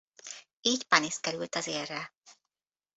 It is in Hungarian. Így Panis került az élre.